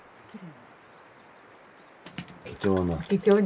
貴重な。